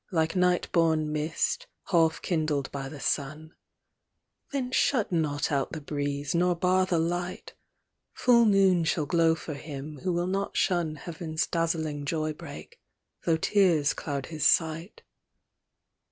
Like night born mist, half kindled by the sun : Then shut not out the breeze, nor bar the light ; Full noon shall glow for him, who will not shun Heaven's dazzling joy break, though tears cloud his sight.